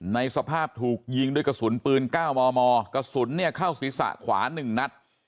ในสภาพถูกยิงด้วยกระสุนปืน๙มมกระสุนเนี่ยเข้าศีรษะขวา๑นัด